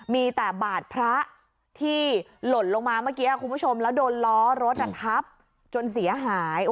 มีแต่บาดพระที่หล่นลงมาเมื่อกี้คุณผู้ชมแล้วโดนล้อรถทับจนเสียหาย